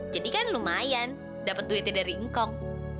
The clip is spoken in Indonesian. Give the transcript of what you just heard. jadi kan lumayan dapet duitnya dari ngkong